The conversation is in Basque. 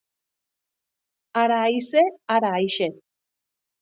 Hara haize, hara aise.